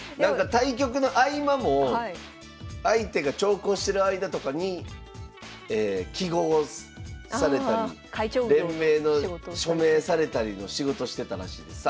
対局の合間も相手が長考してる間とかに揮毫をされたり連盟の署名されたりの仕事してたらしいです。